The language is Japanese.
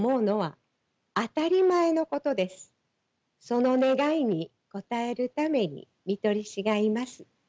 その願いにこたえるために看取り士がいます。